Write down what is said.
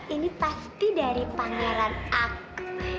ini pasti dari pangeran aku